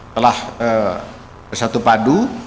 telah bersatu padu